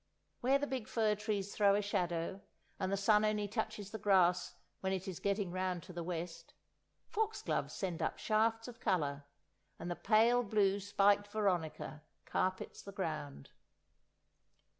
Where the big fir trees throw a shadow, and the sun only touches the grass when it is getting round to the west, foxgloves send up shafts of colour and the pale blue spiked veronica carpets the ground.